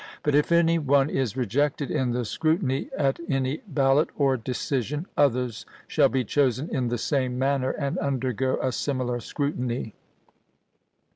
But if any one is rejected in the scrutiny at any ballot or decision, others shall be chosen in the same manner, and undergo a similar scrutiny.